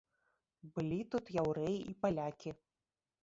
Былі тут яўрэі і палякі.